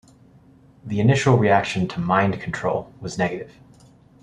The initial reaction to "Mind Control" was negative.